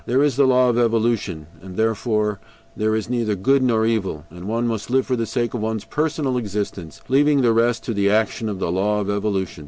There is the law of evolution, and therefore there is neither good nor evil, and one must live for the sake of one's personal existence, leaving the rest to the action of the law of evolution.